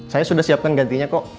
saya sudah siapkan gantinya kok